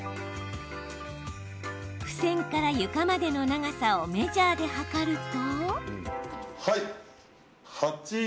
付箋から床までの長さをメジャーで測ると。